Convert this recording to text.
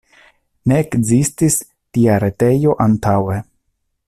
Ne ekzistis tia retejo antaŭe.